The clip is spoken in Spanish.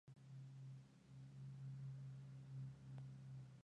Pericarpio y tubo algo escamoso, sin areolas ni espinas.